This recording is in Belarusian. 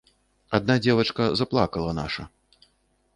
Адна дзевачка заплакала наша.